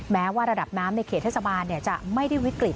แม้ว่าระดับน้ำในเขตเทศบาลจะไม่ได้วิกฤต